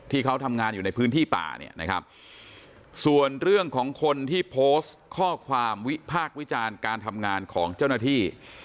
ที่เขาทำงานอยู่ในพื้นที่ป่าเนี่ยนะครับส่วนเรื่องของคนที่โพสต์ข้อความวิพากษ์วิจารณ์การทำงานของเจ้าหน้าที่